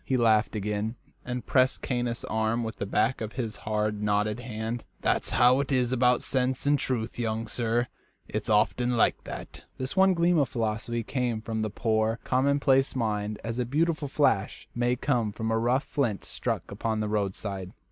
He laughed again, and pressed Caius' arm with the back of his hard, knotted hand. "That's how it is about sense and truth, young sir it's often like that." This one gleam of philosophy came from the poor, commonplace mind as a beautiful flash may come from a rough flint struck upon the roadside.